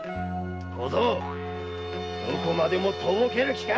小僧どこまでもとぼける気か！